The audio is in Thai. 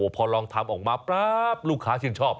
พอลองทำออกมาป๊าบลูกค้าชื่นชอบ